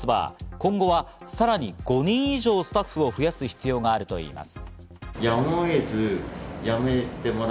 今後はさらに５人以上スタッフを増やす必要があるといいます。